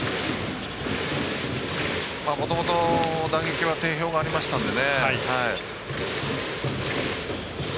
もともと打撃は定評がありましたので。